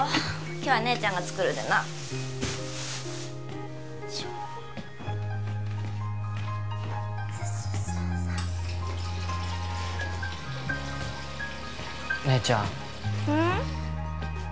今日は姉ちゃんが作るでなさあさあさあさあ姉ちゃんうん？